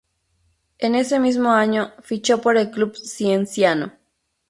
En ese mismo año fichó por el club Cienciano.